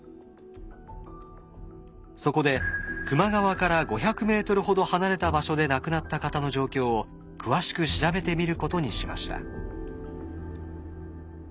そこで球磨川から５００ｍほど離れた場所で亡くなった方の状況を詳しく調べてみることにしました。